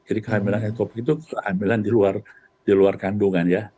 jadi kehamilan ektopik itu kehamilan di luar kandungan ya